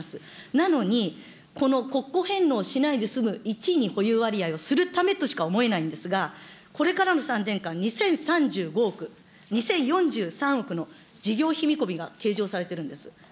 なのにこの国庫返納しないで済む１に保有割合をするためとしか思えないんですが、これからの３年間、２０３５億、２０４３億の事業費見込みが計上されてるんです。